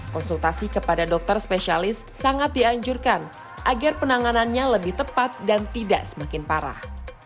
konsultasi kepada dokter spesialis sangat dianjurkan agar penanganannya lebih tepat dan tidak semakin parah